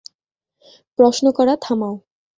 প্রশ্ন করা থামাও।